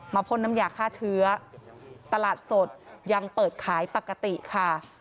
พ่นน้ำยาฆ่าเชื้อตลาดสดยังเปิดขายปกติค่ะ